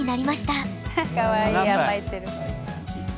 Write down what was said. かわいい甘えてる。